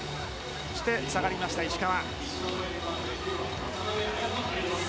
そして下がりました石川。